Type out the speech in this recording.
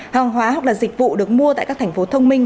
hàng hóa hoặc là dịch vụ được mua tại các thành phố thông minh